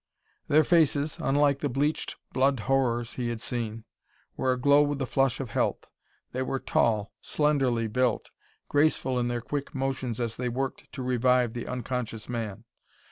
Their faces, unlike the bleached blood horrors he had seen, were aglow with the flush of health. They were tall, slenderly built, graceful in their quick motions as they worked to revive the unconscious man.